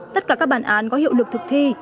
tất cả các bản án có hiệu lực thực thi